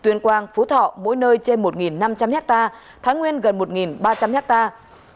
tuyên quang phú thọ mỗi nơi trên một năm trăm linh hectare thái nguyên gần một ba trăm linh hectare